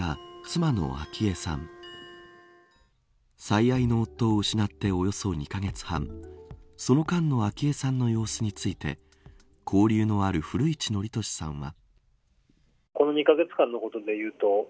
最愛の夫を失っておよそ２カ月半その間の昭恵さんの様子について交流のある、古市憲寿さんは。